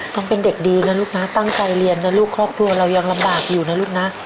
ต้องเป็นเด็กดีนะลูกนะตั้งใจเรียนนะลูกครอบครัวเรายังลำบากอยู่นะลูกนะ